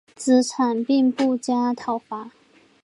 子产并不加讨伐。